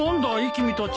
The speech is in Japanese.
君たち。